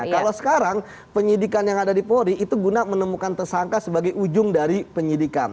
kalau sekarang penyidikan yang ada di polri itu guna menemukan tersangka sebagai ujung dari penyidikan